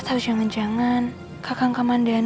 dia datang setelah menemukan kinan dan cheon